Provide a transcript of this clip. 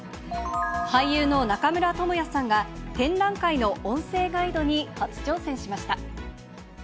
俳優の中村倫也さんが、展覧会の音声ガイドに初挑戦しました。